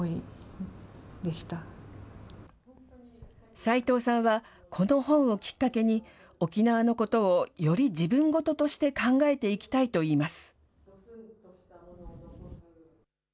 齋藤さんは、この本をきっかけに、沖縄のことをより自分事として考えていきたいといいます。